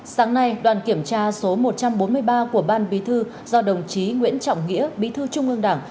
sáng nay đoàn kiểm tra số một trăm bốn mươi ba của ban bí thư do đồng chí nguyễn trọng nghĩa bí thư trung ương đảng